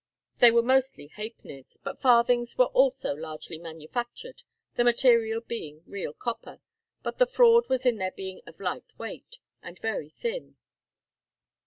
They were mostly halfpennies; but farthings were also largely manufactured, the material being real copper, but the fraud was in their being of light weight, and very thin.